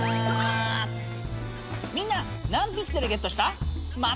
みんな何ピクセルゲットした？